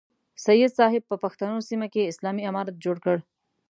سید صاحب په پښتنو سیمه کې اسلامي امارت جوړ کړ.